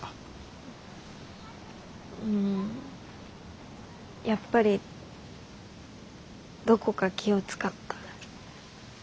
うんやっぱりどこか気を遣った。